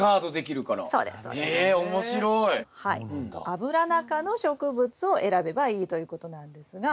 アブラナ科の植物を選べばいいということなんですが。